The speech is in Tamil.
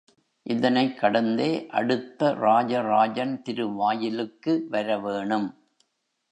இதனைக் கடந்தே அடுத்த ராஜராஜன் திருவாயிலுக்கு வரவேணும்.